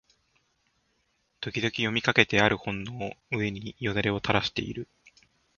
時々読みかけてある本の上に涎をたらしている